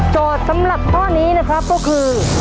สำหรับข้อนี้นะครับก็คือ